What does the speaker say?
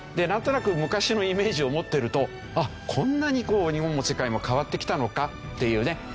なんとなく昔のイメージを持ってるとこんなに日本も世界も変わってきたのかっていうね。